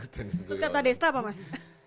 terus kata desa apa mas